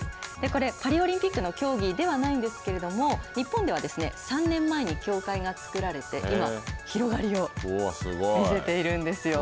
これ、パリオリンピックの競技ではないんですけれども、日本では３年前に協会が作られて今、広がりを見せているんですよ。